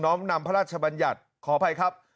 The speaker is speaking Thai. ้อมนำพระราชบัญญัติขออภัยครับ